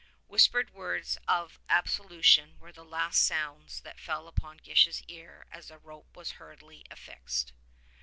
Whispered words of absolution were the last sounds that fell upon Gish's ear as the rope was hurriedly affixed.